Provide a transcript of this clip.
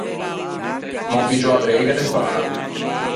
M’ò piggiou a breiga de fâlo.